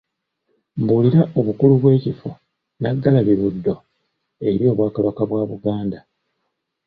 Mbuulira obukulu bw'ekifo Nnaggalabi-Buddo eri Obwakabaka bwa Buganda.